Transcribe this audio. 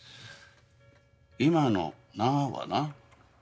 今の「なぁ」はな